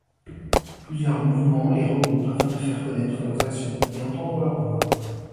Plusieurs mouvements les regroupent afin de faire connaître leurs actions et entendre leur voix.